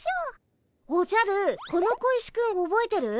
おじゃるこの小石くんおぼえてる？